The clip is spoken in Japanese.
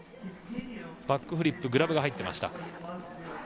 バックフリップグラブが入っていました。